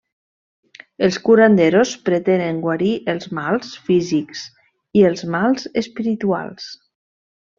Els curanderos pretenen guarir els mals físics i els mals espirituals.